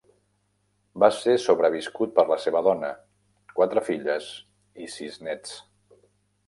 Va ser sobreviscut per la seva dona, quatre filles i sis néts.